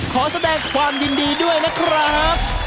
ขอแสดงความยินดีด้วยนะครับ